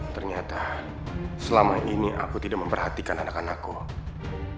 ternyata selama ini aku tidak memperhatikan anak anakku